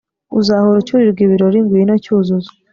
uzahora ucyurirwa ibirori ngwino cyuzuzo